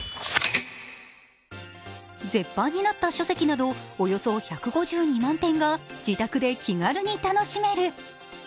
絶版になった書籍などおよそ１５２万点が自宅で気軽に楽しめる。